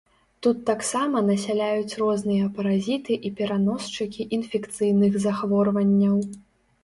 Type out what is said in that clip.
Тут таксама насяляюць розныя паразіты і пераносчыкі інфекцыйных захворванняў.